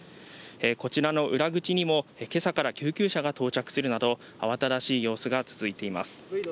こちらの裏口にも、今朝から救急車が到着するなど慌ただしい様子が続いています。